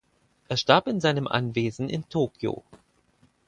Er starb in seinem Anwesen in Tokio.